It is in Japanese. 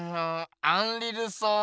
アンリ・ルソー